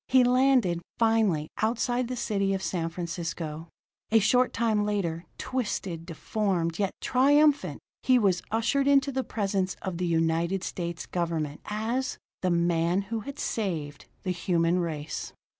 He landed, finally, outside the city of San Francisco. A short time later, twisted, deformed, yet triumphant, he was ushered into the presence of the United States government as the man who had saved the human race.